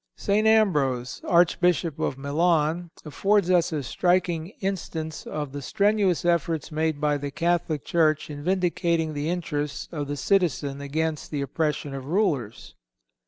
St. Ambrose, Archbishop of Milan, affords us a striking instance of the strenuous efforts made by the Catholic Church in vindicating the interests of the citizen against the oppression of rulers.